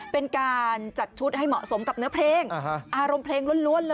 เป็นการจัดชุดให้เหมาะสมกับเนื้อเพลง